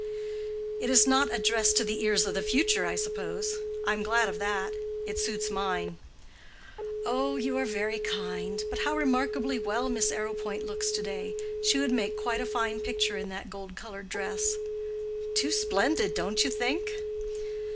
"It is not addressed to the ears of the future, I suppose. I'm glad of that: it suits mine." "Oh, you are very kind. But how remarkably well Miss Arrowpoint looks to day! She would make quite a fine picture in that gold colored dress." "Too splendid, don't you think?"